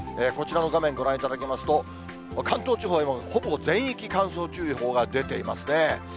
こちらの画面、ご覧いただきますと、関東地方でもほぼ全域、乾燥注意報が出ていますね。